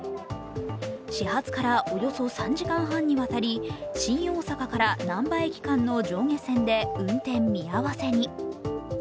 始発からおよそ３時間半にわたり新大阪からなんば駅間の上下線で運転見合せに。